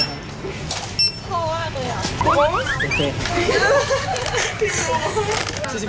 โทรมากเลยอ่ะ